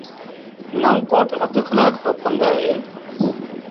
نئون ڪوٽ اڌ ڪلآڪ رو پند اهي